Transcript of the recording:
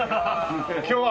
今日は。